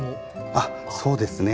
あっそうですね。